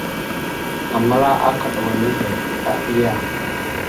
Aməla akaɗ wal nehe, aɓiya.